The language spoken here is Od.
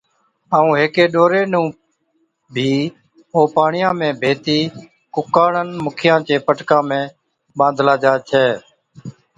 ائُون ھيڪي ڏوري نُون ڀِي او پاڻِيئا ۾ ڀيتِي ڪُڪاڻن مُکِيان چي پٽڪان ۾ ٻانڌلا جا ڇَي